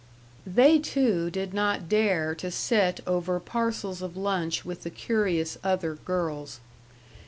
They two did not dare to sit over parcels of lunch with the curious other girls.